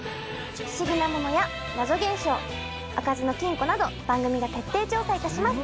不思議なものや謎現象開かずの金庫など番組が徹底調査いたします。